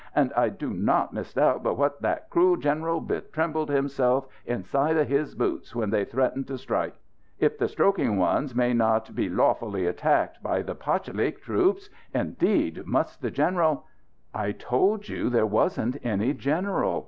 "And I do not misdoubt but what that cruel general betrembled himself inside of his boots when they threatened to strike. If the stroking ones may not be lawfully attackled by the pashalik troops, indeed must the general " "I told you there wasn't any general!"